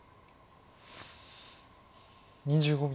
２５秒。